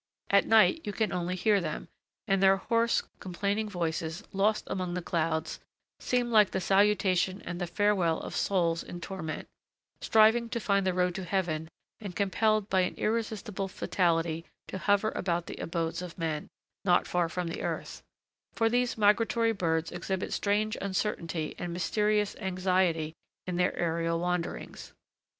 At night, you can only hear them; and their hoarse, complaining voices, lost among the clouds, seem like the salutation and the farewell of souls in torment, striving to find the road to heaven and compelled by an irresistible fatality to hover about the abodes of men, not far from earth; for these migratory birds exhibit strange uncertainty and mysterious anxiety in their aerial wanderings.